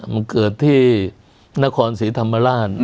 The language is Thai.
มันเกิดที่นครศรีธรรมราช